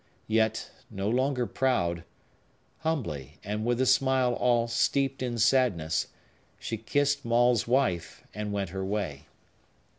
Yet, no longer proud,—humbly, and with a smile all steeped in sadness,—she kissed Maule's wife, and went her way.